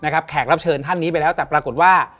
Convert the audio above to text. แขกรับเชิญท่านนี้ไปแล้วแต่ปรากฏว่า